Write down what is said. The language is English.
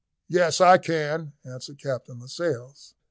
"Yes, I can," answered Captain Lascelles.